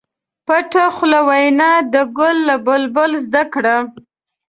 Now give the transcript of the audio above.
پټه خوله وینا د ګل له بلبل زده کړه.